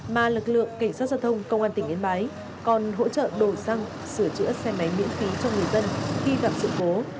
mà lực lượng cảnh sát giao thông công an tỉnh yên bái còn hỗ trợ đổi xăng sửa chữa xe máy miễn phí cho người dân khi gặp sự cố